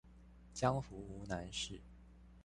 江湖無難事